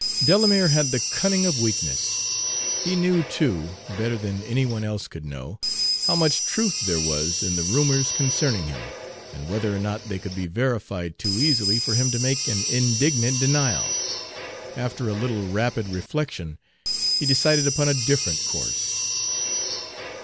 Delamere had the cunning of weakness. He knew, too, better than any one else could know, how much truth there was in the rumors concerning him, and whether or not they could be verified too easily for him to make an indignant denial. After a little rapid reflection, he decided upon a different course.